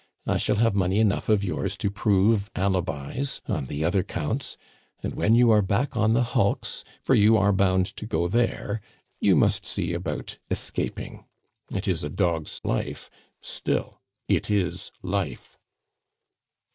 I shall have money enough of yours to prove alibis on the other counts, and when you are back on the hulks for you are bound to go there you must see about escaping. It is a dog's life, still it is life!"